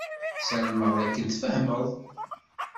Ssarameɣ d akken tfehmeḍ.